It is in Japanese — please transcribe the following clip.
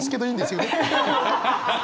いいんですよね？